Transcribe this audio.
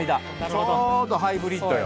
ちょうどハイブリッドよ。